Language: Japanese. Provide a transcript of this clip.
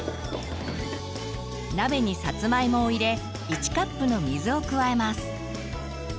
鍋にさつまいもを入れ１カップの水を加えます。